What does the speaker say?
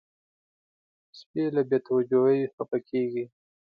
سپي له بې توجهۍ خپه کېږي.